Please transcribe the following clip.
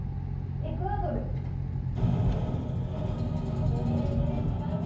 エクアドルは⁉］